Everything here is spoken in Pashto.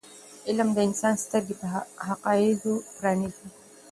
علم د انسان سترګې پر حقایضو پرانیزي.